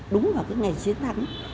đúng vào cái ngày chiến thắng